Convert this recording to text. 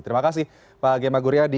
terima kasih pak gia maguria di